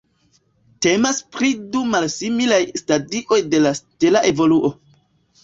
Temas pri du malsimilaj stadioj de la stela evoluo.